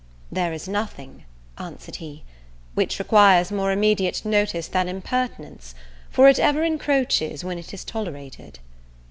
"There is nothing," answered he, "which requires more immediate notice than impertinence, for it ever encroaches when it is tolerated."